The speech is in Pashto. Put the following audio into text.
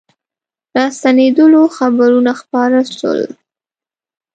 راستنېدلو خبرونه خپاره سول.